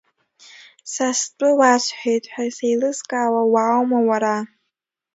Са стәы уасҳәеит ҳәа сеилызкаауа уааума уара?